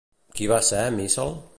Qui va ser Míscel?